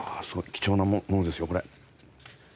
貴重なものですよこれ。